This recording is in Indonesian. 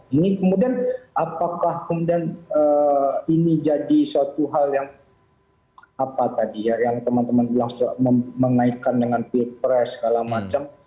ini kemudian apakah kemudian ini jadi suatu hal yang apa tadi ya yang teman teman bilang mengaitkan dengan pilpres segala macam